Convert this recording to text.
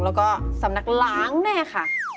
เราก็สำนักร้างแน่คะ